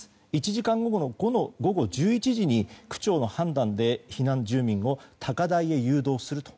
１時間後の午後１１時に区長の判断で避難住民を高台に誘導すると。